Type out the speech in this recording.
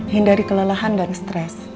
hindari kelelahan dan stres